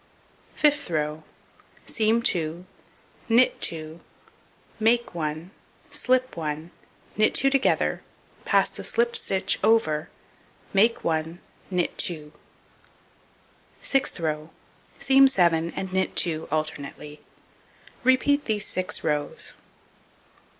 Fifth row: Seam 2, knit 2, make 1, slip 1, knit 2 together, pass the slipped stitch over, make 1, knit 2. Sixth row: Seam 7 and knit 2 alternately. Repeat these 6 rows.